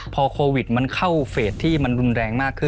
พอโควิดเข้าเฟสที่รุนแรงมาก